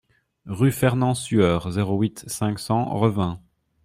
Rue Fernand Sueur, zéro huit, cinq cents Revin